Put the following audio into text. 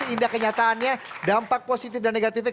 hingga kenyataannya dampak positif dan negatifnya